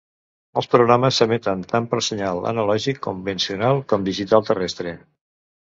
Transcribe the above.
Els programes s'emeten tant per senyal analògic convencional com digital terrestre.